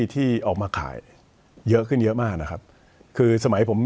ที่ออกมาขายเยอะขึ้นเยอะมากนะครับคือสมัยผม